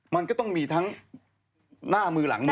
มันก็ต้องมีทั้งหน้ามือหลังมือ